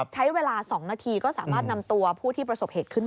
ใช้เวลา๒นาทีก็สามารถนำตัวผู้ที่ประสบเหตุขึ้นมา